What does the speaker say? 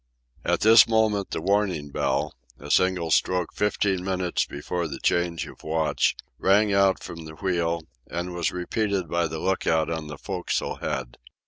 At this moment the warning bell, a single stroke fifteen minutes before the change of watch, rang out from the wheel and was repeated by the look out on the forecastle head.